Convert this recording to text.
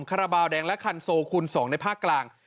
คาราบาลแดงและคันโซคูณ๒ในภาคกลาง